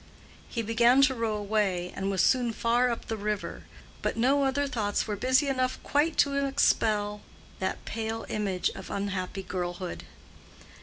He began to row away and was soon far up the river; but no other thoughts were busy enough quite to expel that pale image of unhappy girlhood.